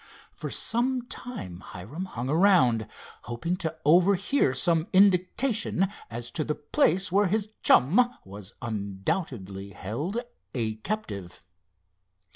For some time Hiram hung around, hoping to overhear some indication as to the place where his chum was undoubtedly held a captive.